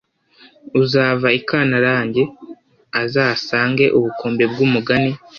uzava I kantarange azasange ubukombe bw'umugani